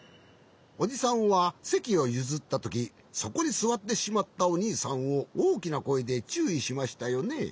おじさんはせきをゆずったときそこにすわってしまったおにいさんをおおきなこえでちゅういしましたよね？